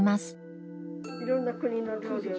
いろんな国の料理を。